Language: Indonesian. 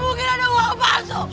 mungkin ada uang palsu